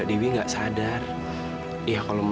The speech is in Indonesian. apa pengen jadi orang lain lagi